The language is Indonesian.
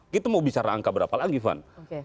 kita mau bisa rangka berapa lagi van